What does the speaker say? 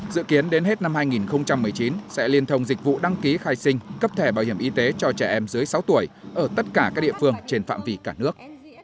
dự kiến đến hết năm hai nghìn một mươi chín sẽ liên thông dịch vụ đăng ký khai sinh cấp thẻ bảo hiểm y tế cho trẻ em dưới sáu tuổi ở tất cả các địa phương trên phạm vi cả nước